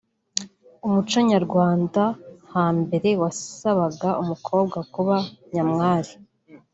umuco nyarwanda hambere wasabaga umukobwa kuba nyamwari